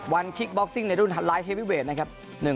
วันคิดบ็อกซิงในรุ่นฮัตไลว์เพอเวชนะครับ